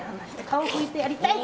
顔拭いてやりたい。